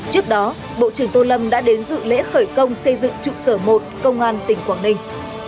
trước đó bộ trưởng tô lâm đã đến dự lễ khởi công xây dựng trụ sở một công an tỉnh quảng ninh